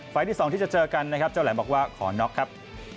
ไฟล์ที่สองที่จะเจอกันเจ้าแหล่งบอกว่าขอน็อคครับ